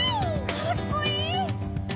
かっこいい！